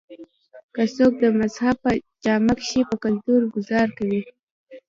کۀ څوک د مذهب پۀ جامه کښې پۀ کلتور ګذار کوي